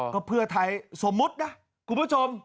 ก็เพื่อไทยสมมุตินะคุณผู้ชม